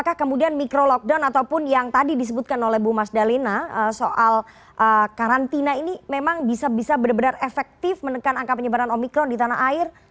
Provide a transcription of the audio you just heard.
apakah kemudian mikro lockdown ataupun yang tadi disebutkan oleh bu mas dalina soal karantina ini memang bisa bisa benar benar efektif menekan angka penyebaran omikron di tanah air